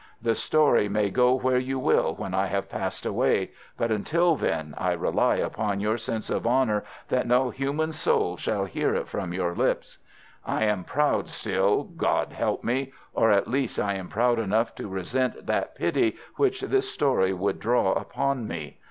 The story may go where you will when I have passed away, but until then I rely upon your sense of honour that no human soul shall hear it from your lips. I am proud still—God help me!—or, at least, I am proud enough to resent that pity which this story would draw upon me.